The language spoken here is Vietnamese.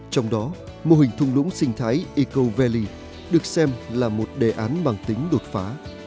trong đó mô hình thung lũng sinh thái eco valley được xem là một đề án bằng tính đột phá